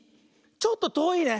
ちょっととおいね。